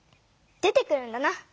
出てくるんだな。